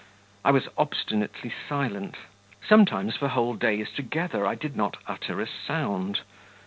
I was obstinately silent; sometimes for whole days together I did not utter a sound.